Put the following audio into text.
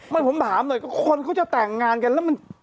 ไม่ผมถามหน่อยก็คนเขาจะแต่งงานกันแล้วมัน